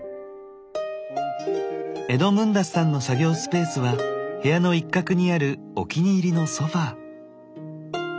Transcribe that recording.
エドムンダスさんの作業スペースは部屋の一角にあるお気に入りのソファー。